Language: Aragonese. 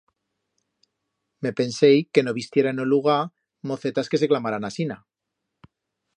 Me pensei que no bi'stiera en o lugar mocetas que se clamaran asina.